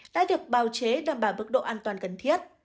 đã được bào chế đảm bảo mức độ an toàn cần thiết